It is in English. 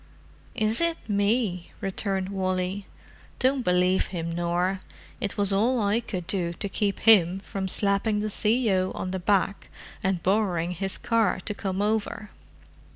'" "Is it me?" returned Wally. "Don't believe him, Nor—it was all I could do to keep him from slapping the C.O. on the back and borrowing his car to come over."